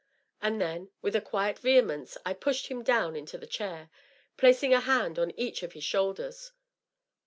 And then, wifli a quiet vehemence, I pushed him down into the chair, placing a hand on eacn of his shoulders.